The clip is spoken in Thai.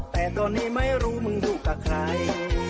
แต่ตอนนี้ไม่รู้มึงอยู่กับใคร